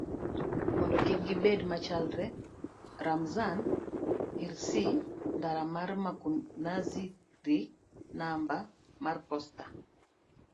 mondo kik gibed machalre. Ramzan Hirsi ndara mar Mkunazini namba mar posta